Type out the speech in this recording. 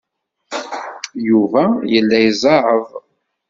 Yuba yella izeɛɛeḍ.